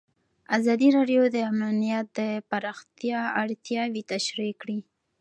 ازادي راډیو د امنیت د پراختیا اړتیاوې تشریح کړي.